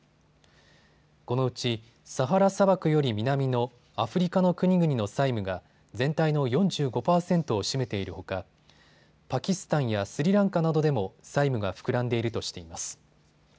このうちサハラ砂漠より南のアフリカの国々の債務が全体の４５％を占めているほかパキスタンやスリランカなどでも債務が膨らんでいるとしています。